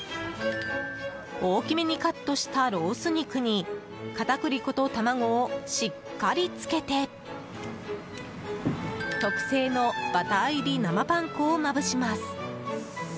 大きめにカットしたロース肉に片栗粉と卵をしっかりつけて特製のバター入り生パン粉をまぶします。